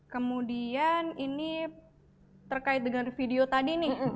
kemudian ini terkait dengan video tadi nih